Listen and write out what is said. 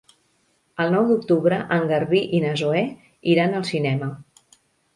El nou d'octubre en Garbí i na Zoè iran al cinema.